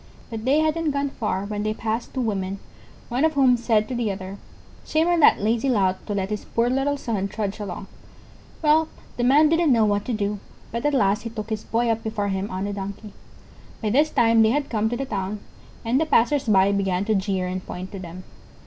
But they hadn't gone far when they passed two women, one of whom said to the other: "Shame on that lazy lout to let his poor little son trudge along." Well, the Man didn't know what to do, but at last he took his Boy up before him on the Donkey. By this time they had come to the town, and the passers by began to jeer and point to them.